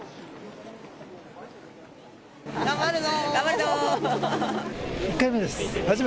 頑張るぞ。